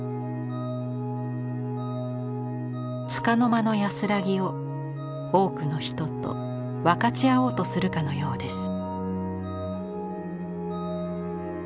つかの間の安らぎを多くの人と分かち合おうとするかのようです。